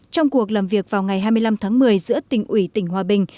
trong cuộc làm việc vào ngày hai mươi năm tháng một mươi giữa tỉnh ủy tỉnh hòa bình